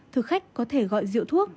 thực khách có thể gọi rượu thuốc